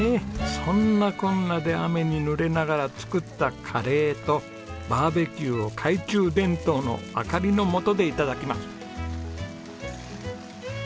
そんなこんなで雨にぬれながら作ったカレーとバーベキューを懐中電灯の明かりの下で頂きます。